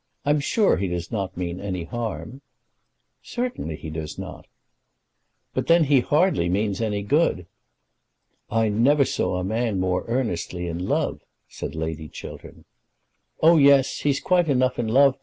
I am sure he does not mean any harm." "Certainly he does not." "But then he hardly means any good." "I never saw a man more earnestly in love," said Lady Chiltern. "Oh yes, he's quite enough in love.